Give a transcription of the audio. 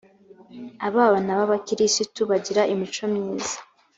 abana b’ abakirisitu bagira imico myiza.